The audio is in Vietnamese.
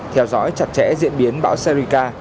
theo dõi chặt chẽ diễn biến bão serica